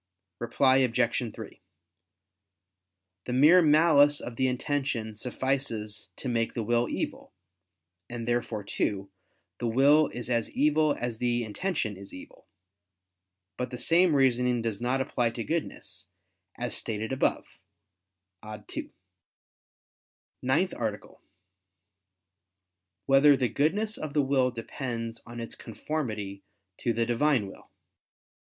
Reply Obj. 3: The mere malice of the intention suffices to make the will evil: and therefore too, the will is as evil as the intention is evil. But the same reasoning does not apply to goodness, as stated above (ad 2). ________________________ NINTH ARTICLE [I II, Q. 19, Art. 9] Whether the Goodness of the Will Depends on Its Conformity to the Divine Will?